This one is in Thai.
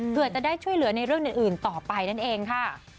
เพื่อจะได้ช่วยเหลือในเรื่องอื่นต่อไปนั่นเองค่ะ